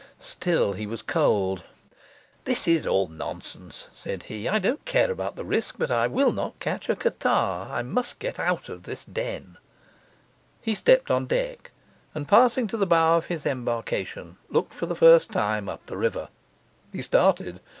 Still he was cold. 'This is all nonsense,' said he. 'I don't care about the risk, but I will not catch a catarrh. I must get out of this den.' He stepped on deck, and passing to the bow of his embarkation, looked for the first time up the river. He started.